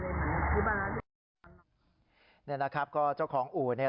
แล้วก็มีมอเตอร์ไซค์มา๓๐๐๐บาทมาจอดหน้าอู๋ย